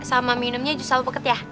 sama minumnya justru salam peket ya